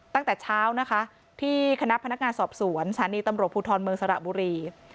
ตั้งแต่เช้านะคะที่คณะพนักงานสอบสวนสถานีตำรวจภูทรเมืองสระบุรี